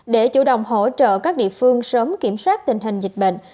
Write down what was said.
để chủ động hỗ trợ các địa phương sớm kiểm soát tình hình dịch bệnh